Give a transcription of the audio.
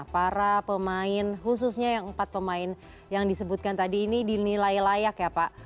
para pemain khususnya yang empat pemain yang disebutkan tadi ini dinilai layak ya pak